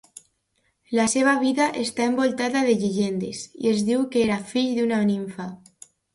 La seva vida està envoltada de llegendes, i es diu que era fill d'una nimfa.